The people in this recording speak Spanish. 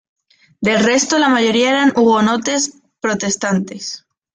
Del resto la mayoría eran hugonotes protestantes.